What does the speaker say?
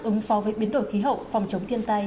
ứng phó với biến đổi khí hậu phòng chống thiên tai